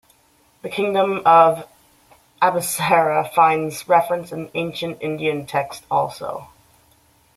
The kingdom of Abhisara finds reference in ancient Indian texts also.